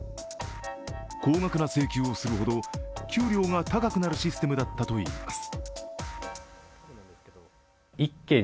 高額な請求をするほど給料が高くなるシステムだったといいます。